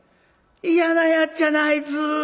「嫌なやっちゃなあいつ。